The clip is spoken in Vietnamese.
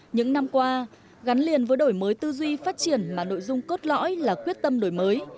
những năm qua gắn liền với đổi mới tư duy phát triển mà nội dung cốt lõi là quyết tâm đổi mới